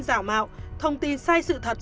rào mạo thông tin sai sự thật